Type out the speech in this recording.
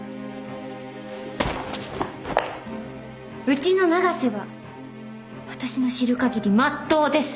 うちの永瀬は私の知る限りまっとうです。